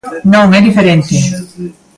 Non, é diferente.